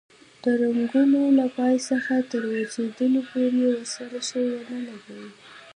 د رنګولو له پای څخه تر وچېدلو پورې ورسره شی ونه لګوئ.